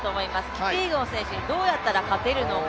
キピエゴン選手にどうやったら勝てるのか。